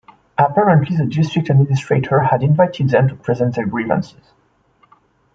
Apparently the district administrator had invited them to present their grievances.